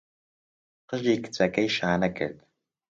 قژی کچەکەی شانە کرد.